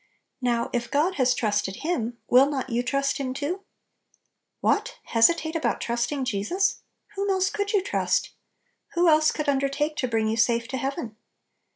Now, if God has trusted Him, will not you trust Him too? What! hesi tate about trusting Jesus? Whom else could you trust ? Who else could un dertake to bring you safe to heaven?